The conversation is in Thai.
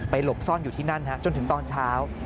หลบซ่อนอยู่ที่นั่นจนถึงตอนเช้า